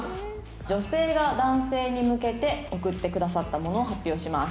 「女性が男性に向けて送ってくださったものを発表します」